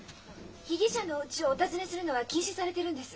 被疑者のおうちをお訪ねするのは禁止されてるんです。